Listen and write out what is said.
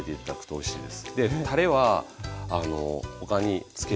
おいしいです。